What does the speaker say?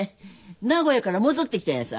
名古屋から戻ってきたんやさ。